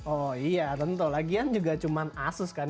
oh iya tentu lagian juga cuma asus kan